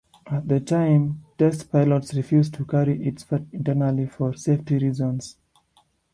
At the time, test pilots refused to carry it internally for safety reasons.